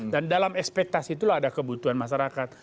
dan dalam ekspektasi itulah ada kebutuhan masyarakat